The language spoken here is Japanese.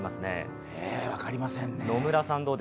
分かりませんねえ。